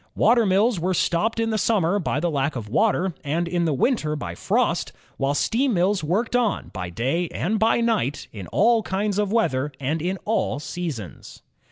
Water mills were stopped in the sunmier by the lack of water, and in the winter by frost, while steam mills worked on, by day and by night, in all kinds of weather, and in all seasons.